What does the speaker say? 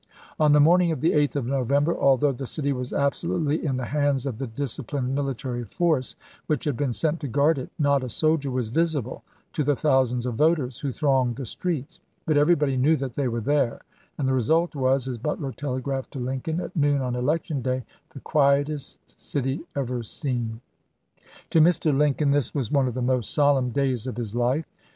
On the morning of the 8th of November, although we*, the city was absolutely in the hands of the disci plined military force which had been sent to guard it, not a soldier was visible to the thousands of voters who thronged the streets; but everybody knew that they were there, and the result was, as Butler telegraphed to Lincoln at noon on election day, " the quietest city ever seen." To Mr. Lincoln this was one of the most solemn days of his life.